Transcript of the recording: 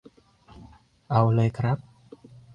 เอาเลยครับ